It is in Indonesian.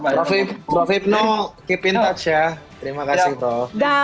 prof hipno keep in touch ya terima kasih toh